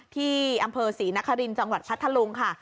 ที่อำเภอศรีนครินทร์จังหวัดพัทธลุงค่ะ